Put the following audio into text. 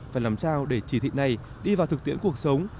phải làm sao để chỉ thị này đi vào thực tiễn cuộc sống